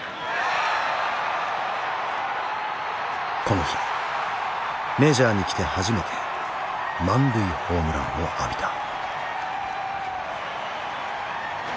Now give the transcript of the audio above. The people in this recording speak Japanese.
この日メジャーに来て初めて満塁ホームランを浴びた。